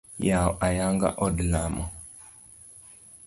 Yawo ayanga od lamo.